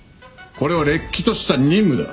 これはれっきとした任務だ。